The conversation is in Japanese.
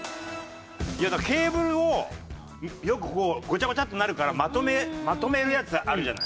ケーブルをよくこうごちゃごちゃっとなるからまとめるやつあるじゃない？